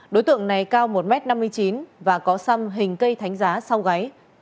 đối tượng này cao một m năm mươi chín và có xăm hình cây thánh giá sau gáy